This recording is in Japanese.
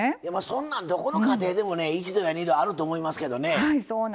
そんなん、どこの家庭でも一度や二度あると思いますけどね。